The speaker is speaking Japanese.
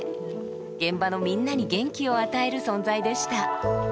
現場のみんなに元気を与える存在でした。